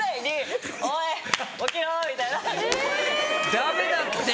・ダメだって。